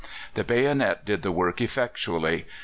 The bayonet did the work effectually.